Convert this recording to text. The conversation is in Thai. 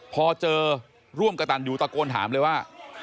พอเจอร่วมกระตันอยู่ตะโกนถามเลยว่า